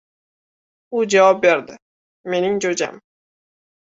U javob berdi: “Mening jo‘jam”.